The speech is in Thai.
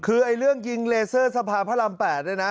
คือเรื่องยิงเลเซอร์สภาพรรม๘นี่นะ